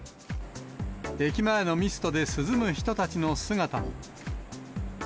駅前のミストで涼む人たちの姿も。